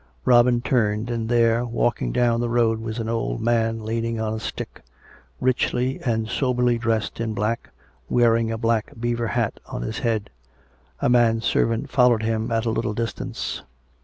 Robin turned, and there, walking down the road, was an old man, leaning on a stick, richly and soberly dressed in black, wearing a black beaver hat on his head. A man servant followed him at a little distance.